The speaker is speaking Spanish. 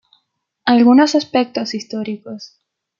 Algunos aspectos históricos.